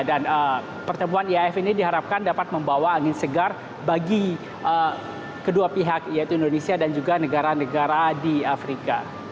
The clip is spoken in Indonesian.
dan pertemuan iaf ini diharapkan dapat membawa angin segar bagi kedua pihak yaitu indonesia dan juga negara negara di afrika